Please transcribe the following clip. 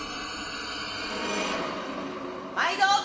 毎度！